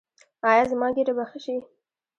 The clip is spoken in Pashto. ایا زما ګیډه به ښه شي؟